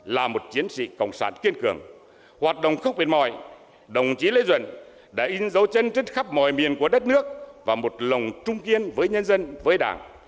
là một chiến sĩ cộng sản kiên cường hoạt động khốc biệt mọi đồng chí lê duẩn đã in dấu chân trên khắp mọi miền của đất nước và một lòng trung kiên với nhân dân với đảng